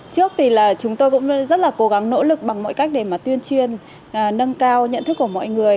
trước thì là chúng tôi cũng rất là cố gắng nỗ lực bằng mọi cách để mà tuyên truyền nâng cao nhận thức của mọi người